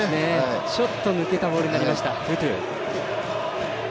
ちょっと抜けたボールになりました。